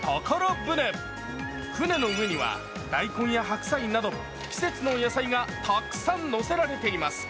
船の上には大根や白菜など季節の野菜がたくさん載せられています。